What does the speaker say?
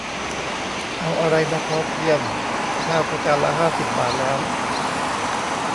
เอาอะไรมาพอเพียง ข้าวก็จานละห้าสิบบาทแล้ว